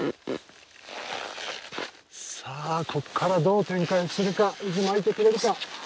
さあこっからどう展開するか渦巻いてくれるか。